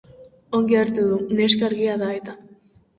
Ongi hartu du, neska argia da-eta.